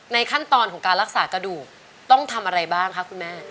ขั้นตอนของการรักษากระดูกต้องทำอะไรบ้างคะคุณแม่